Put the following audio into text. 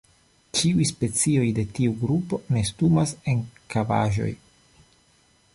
Ĉiuj specioj de tiu grupo nestumas en kavaĵoj.